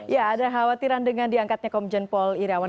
ya ada khawatiran dengan diangkatnya komjen paul irawan